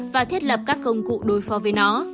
và thiết lập các công cụ đối phó với nó